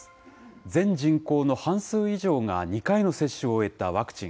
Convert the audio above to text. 全人口の半数以上が２回の接種を終えたワクチン。